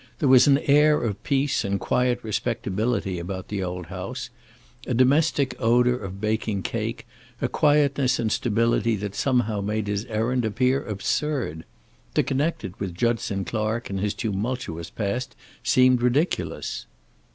There was an air of peace and quiet respectability about the old house, a domestic odor of baking cake, a quietness and stability that somehow made his errand appear absurd. To connect it with Judson Clark and his tumultuous past seemed ridiculous.